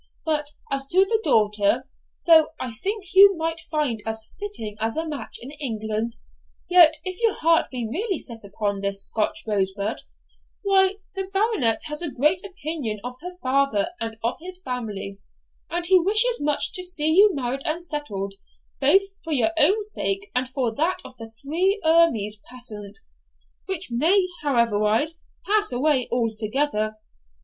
But as to the daughter, though I think you might find as fitting a match in England, yet if your heart be really set upon this Scotch rosebud, why the Baronet has a great opinion of her father and of his family, and he wishes much to see you married and settled, both for your own sake and for that of the three ermines passant, which may otherwise pass away altogether.